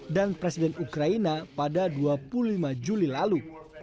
dan presiden ukraina pada dua puluh lima juli lalu